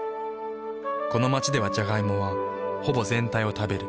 この街ではジャガイモはほぼ全体を食べる。